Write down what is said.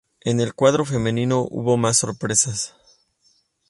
En el cuadro femenino hubo más sorpresas.